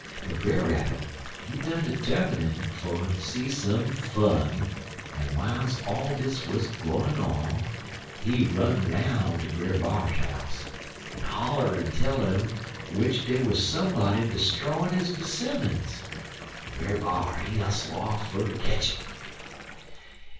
But Brer Rabbit, he done 'termin' fer ter see some fun, en w'iles all dis 'uz gwine on, he run 'roun' ter Brer B'ar house, en holler en tell 'im w'ich dey wuz somebody 'stroyin' un his 'simmons, en Brer B'ar, he hustle off fer ter ketch 'im.